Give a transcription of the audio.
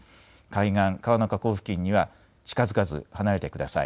海岸、川の河口付近には近づかず離れてください。